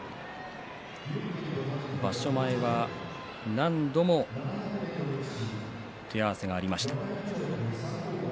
場所前は何度も手合わせがありました。